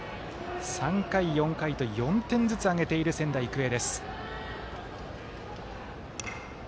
３回、４回と４点ずつ挙げている仙台育英。